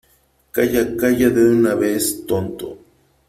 ¡ Calla !¡ calla de una vez , tonto !